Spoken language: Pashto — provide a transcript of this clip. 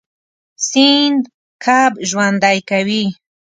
سیند کب ژوندی کوي.